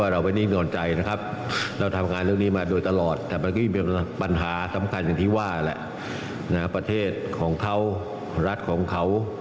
รัฐของเขาบริษัทของเขา